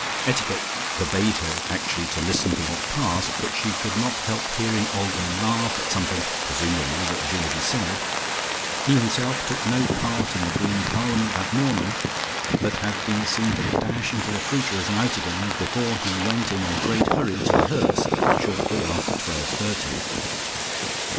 Etiquette forbade her actually to listen to what passed, but she could not help hearing Olga laugh at something (presumably) that Georgie said. He himself took no part in the green parliament that morning, but had been seen to dash into the fruiterer's and out again, before he went in a great hurry to The Hurst, shortly after twelve thirty.